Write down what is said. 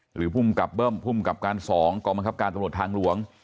ภูมิกับเบิ้มภูมิกับการ๒กองบังคับการตำรวจทางหลวง